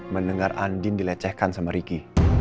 mendengar andin dilecehkan sama riki